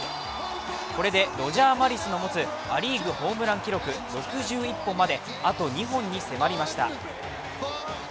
これでロジャー・マリスの持つア・リーグホームラン記録、６１本まであと２本に迫りました。